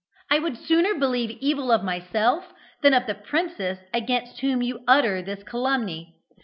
I would sooner believe evil of myself than of the princess against whom you utter this calumny.